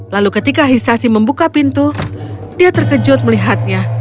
lalu ketika hisashi membuka pintu dia terkejut melihatnya